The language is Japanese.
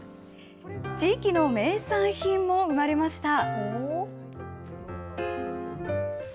地域の名産品も生まれました。